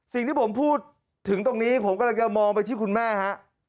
สิ่งที่ผมพูดถึงตรงนี้ผมกำลังจะมองไปที่คุณแม่ฮะ